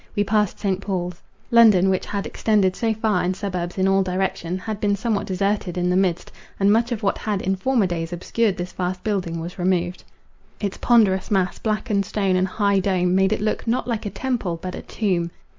We passed St. Paul's. London, which had extended so far in suburbs in all direction, had been somewhat deserted in the midst, and much of what had in former days obscured this vast building was removed. Its ponderous mass, blackened stone, and high dome, made it look, not like a temple, but a tomb.